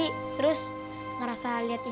aku mau temenin